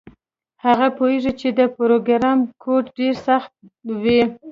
هغه پوهیږي چې د پروګرام کوډ ډیر سخت وي